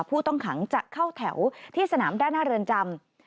ผู้ต้องขังจะเข้าแถวที่สนามด้านหน้าเรือนจำ